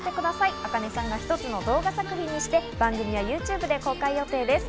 ａｋａｎｅさんが一つの動画作品にして番組やＹｏｕＴｕｂｅで公開予定です。